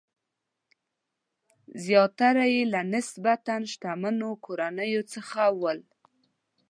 زیاتره یې له نسبتاً شتمنو کورنیو څخه ول.